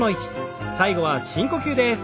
最後は深呼吸です。